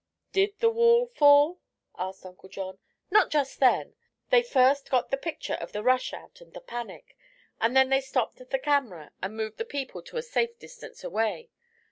"Did the wall fall?" asked Uncle John. "Not just then. They first got the picture of the rush out and the panic, and then they stopped the camera and moved the people to a safe distance away.